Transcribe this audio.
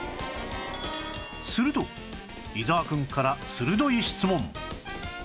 すると伊沢くんから鋭い質問